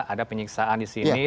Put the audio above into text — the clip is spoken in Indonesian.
ada penyiksaan di sini